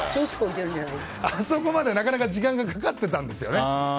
あそこまでなかなか時間がかかってたんですよね。